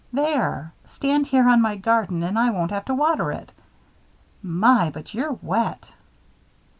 There stand here on my garden and I won't have to water it. My! But you're wet."